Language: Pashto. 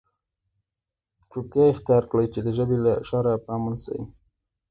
چوپتیا اختیار کړئ! چي د ژبي له شره په امن سئ.